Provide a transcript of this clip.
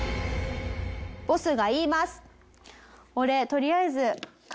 ボスが言います。